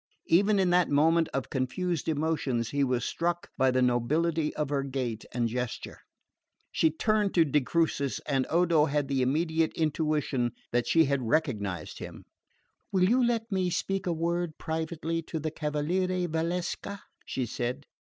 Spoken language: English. Even in that moment of confused emotions he was struck by the nobility of her gait and gesture. She turned to de Crucis, and Odo had the immediate intuition that she had recognised him. "Will you let me speak a word privately to the cavaliere Valsecca?" she said.